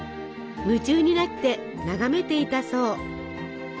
夢中になって眺めていたそう。